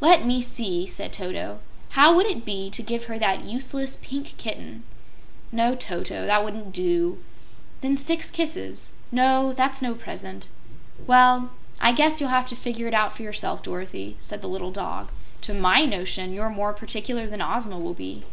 "Let me see," said Toto. "How would it be to give her that useless Pink Kitten?" "No, Toto; that wouldn't do." "Then six kisses." "No; that's no present." "Well, I guess you'll have to figure it out for yourself, Dorothy," said the little dog. "To MY notion you're more particular than Ozma will be."